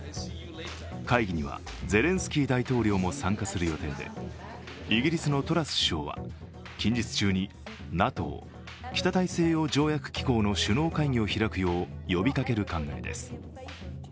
会議には、ゼレンスキー大統領も参加する予定でイギリスのトラス首相は近日中にＮＡＴＯ＝北大西洋条約機構の首脳会議を開くよう呼びかける考えです。